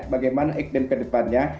bagaimana iklim kedepannya